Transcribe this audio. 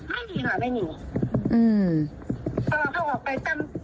ไม่มีค่ะไม่มีอืมพอไปเองน่ะพี่จะเริ่มรู้ว่าเขาเขาหลุม